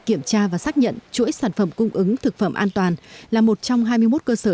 kiểm tra và xác nhận chuỗi sản phẩm cung ứng thực phẩm an toàn là một trong hai mươi một cơ sở